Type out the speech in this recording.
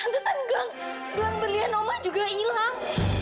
pantesan gang belan belian oma juga hilang